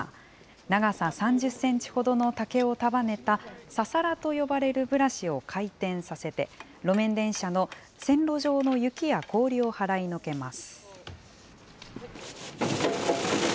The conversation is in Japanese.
長さ３０センチほどの竹を束ねた、ササラと呼ばれるブラシを回転させて、路面電車の線路上の雪や氷を払いのけます。